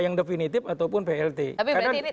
yang definitif ataupun plt tapi berarti ini